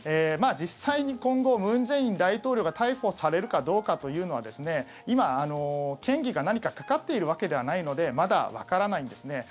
実際に今後文在寅大統領が逮捕されるかどうかというのは今、嫌疑が何かかかっているわけではないのでまだわからないんですね。